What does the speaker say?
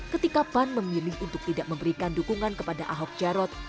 ketika pan memilih untuk tidak memberikan dukungan kepada ahok jarot